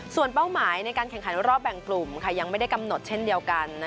ส่วนเป้าหมายในการแข่งขันรอบแบ่งกลุ่มยังไม่ได้กำหนดเช่นเดียวกัน